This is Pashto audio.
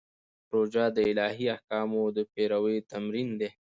روژه د الهي احکامو د پیروي تمرین دی.